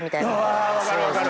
うわ分かる分かる！